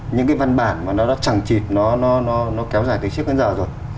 những cái văn bản mà nó đã chẳng chịt nó nó nó nó kéo dài tới trước đến giờ rồi